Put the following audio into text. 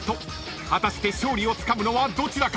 ［果たして勝利をつかむのはどちらか？］